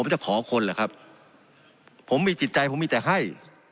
ผมจะขอคนเหรอครับผมมีจิตใจผมมีแต่ให้